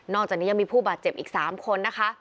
จากนี้ยังมีผู้บาดเจ็บอีก๓คนนะคะ